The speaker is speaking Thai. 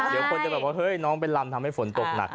เดี๋ยวแบบน้องเบนนำทำให้ฝนตกหนัก